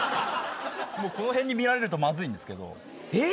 この辺に見られるとまずいんですけど。